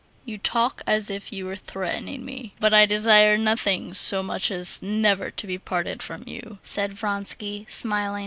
"You talk as if you were threatening me. But I desire nothing so much as never to be parted from you," said Vronsky, smiling.